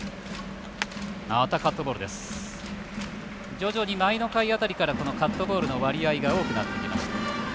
徐々に前の回辺りからカットボールの割合が多くなってきました。